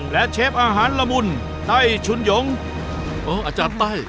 และเชฟอาหารละมุนไต้ชุนหยงอาจารย์ไต้